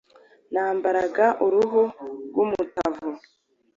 Nambaraga uruhu rw’umutavu